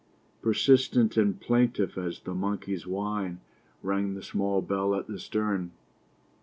Persistent and plaintive as the monkey's whine rang the small bell at the stern.